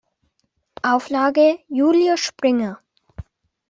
Auflage Julius Springer.